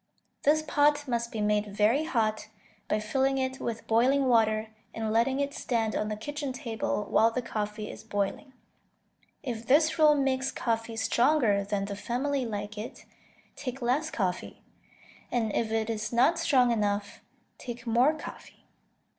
This pot must be made very hot, by filling it with boiling water and letting it stand on the kitchen table while the coffee is boiling. If this rule makes coffee stronger than the family like it, take less coffee, and if it is not strong enough, take more coffee.